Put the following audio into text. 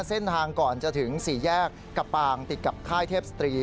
เส้นทางก่อนจะถึงสี่แยกกะปางติดกับค่ายเทพศตรี